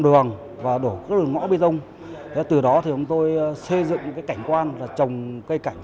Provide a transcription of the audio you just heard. đổ các đường ngõ bê rông từ đó thì chúng tôi xây dựng những cảnh quan là trồng cây cảnh